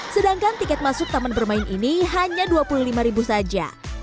sedangkan tiket masuk taman bermain ini hanya dua puluh lima ribu saja